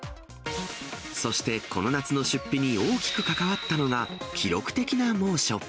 そして、この夏の出費に大きく関わったのが、記録的な猛暑。